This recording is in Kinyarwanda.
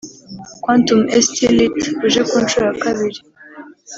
Quantum Stlit uje ku nshuro ya kabiri